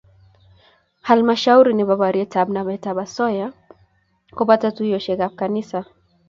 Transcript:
Halmashauri nebo borietb nametab osoya kobo tuiyosiekab kaniset